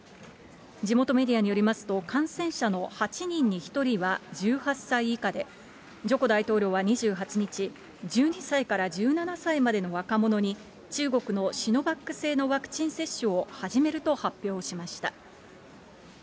地元メディアによりますと、感染者の８人に１人は１８歳以下で、ジョコ大統領は２８日、１２歳から１７歳までの若者に、中国のシノバック製のワクチン接種を始めると発表しました。